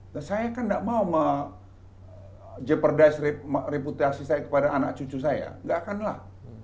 nah saya kan tidak mau jeopardize reputasi saya kepada anak cucu saya nggak akan lah